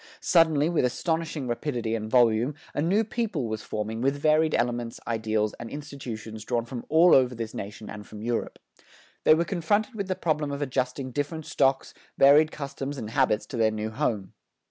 Suddenly, with astonishing rapidity and volume, a new people was forming with varied elements, ideals and institutions drawn from all over this nation and from Europe. They were confronted with the problem of adjusting different stocks, varied customs and habits, to their new home.